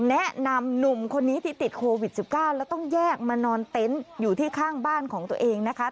แนะนำหนุ่มคนนี้ที่ติดโควิด๑๙แล้วต้องแยกมานอนเต็นต์อยู่ที่ข้างบ้านของตัวเองนะคะ